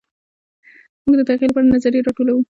موږ د تغیر لپاره نظریې راټولوو.